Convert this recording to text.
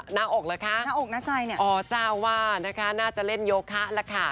หน้าอกเหรอคะอ๋อจ้าว่าน่าจะเล่นโยคะล่ะค่ะ